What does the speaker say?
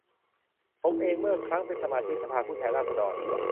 ผมเองเมื่อครั้งเป็นสมาชิกสภาผู้แทนราษฎร